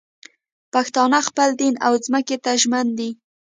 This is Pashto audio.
پښتانه خپل دین او ځمکې ته ژمن دي